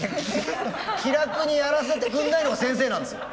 気楽にやらせてくんないのは先生なんですよ。